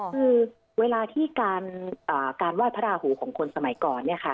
คือเวลาที่การไหว้พระราหูของคนสมัยก่อน